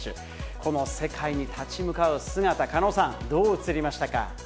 この世界に立ち向かう姿、狩野さん、どう映りましたか？